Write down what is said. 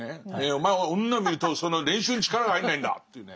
「お前は女を見ると練習に力が入んないんだ」っていうね。